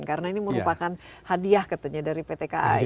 karena ini merupakan hadiah katanya dari pt kai